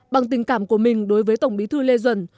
bằng tình cảm của mình đối với tổng bí thư lê duẩn